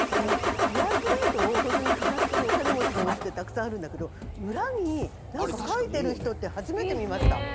イヤープレートを本当に飾ってるっていうお金持ちのおうちってたくさんあるんだけど、裏に何か書いてる人って初めて見ました。